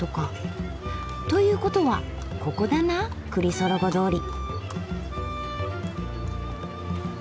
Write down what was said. ということはここだなクリソロゴ通り。